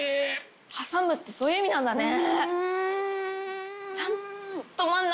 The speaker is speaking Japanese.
挟むってそういう意味なんだね。